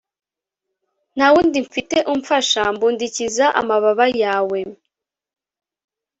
Ntawundi mfite umfasha mbundikiza amababa yawe